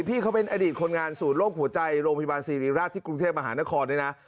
พี่เขาเป็นอดีตคนงานศูนย์โรคหัวใจโรงพยาบาลศิริราชที่กรุงเทพมหานครด้วยนะ